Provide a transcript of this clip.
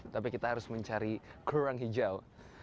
tapi kita harus mencari kerang hijau